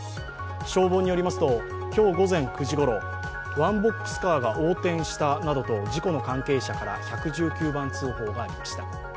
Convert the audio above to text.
消防によりますと今日午前９時ごろワンボックスカーが横転したなどと事故の関係者から１１９番通報がありました。